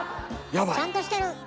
ちゃんとしてる。